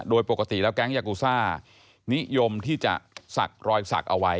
โดยปกติแล้วแก๊งยากูซ่านิยมที่จะศักดิ์รอยสักเอาไว้